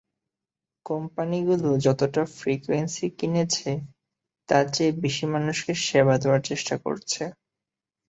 কোম্পানিগুলো যতটা ফ্রিকোয়েন্সি কিনেছে তার চেয়ে বেশি মানুষকে সেবা দেওয়ার চেষ্টা করছে।